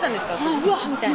「うわっ」みたいな？